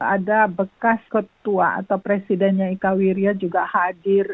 ada bekas ketua atau presidennya ika wirya juga hadir